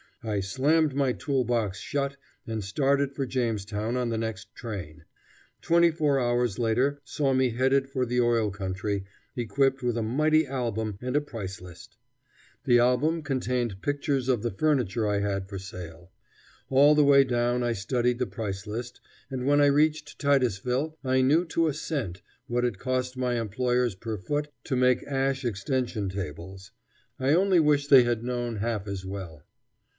I slammed my tool box shut and started for Jamestown on the next train. Twenty four hours later saw me headed for the oil country, equipped with a mighty album and a price list. The album contained pictures of the furniture I had for sale. All the way down I studied the price list, and when I reached Titusville I knew to a cent what it cost my employers per foot to make ash extension tables. I only wish they had known half as well.